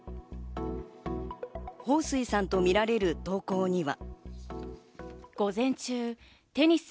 ホウ・スイさんとみられる投稿には。